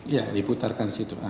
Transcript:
ya diputarkan situ